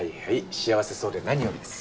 幸せそうで何よりです。